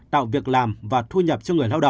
tạo việc làm và thu nhập cho người lao động